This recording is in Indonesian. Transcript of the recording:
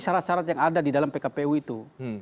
syarat syarat yang ada di dalam pkpu itu